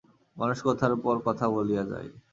মানুষ কথার পর কথা বলিয়া যায়।